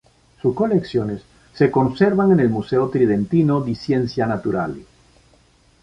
Sus colecciones se conservan en el Museo Tridentino di Scienze Naturali.